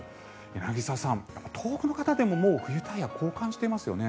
柳澤さん、東北の方でももう冬タイヤ交換してますよね。